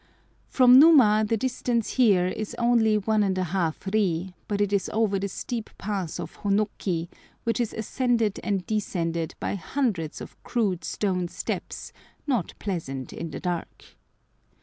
From Numa the distance here is only 1½ ri, but it is over the steep pass of Honoki, which is ascended and descended by hundreds of rude stone steps, not pleasant in the dark.